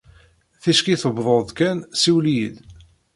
Ticki tewweḍeḍ kan, siwel-iyi-d.